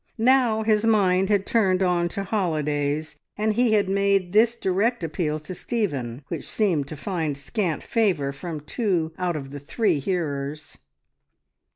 Now his mind had turned on to holidays, and he had made this direct appeal to Stephen, which seemed to find scant favour from two out of the three hearers.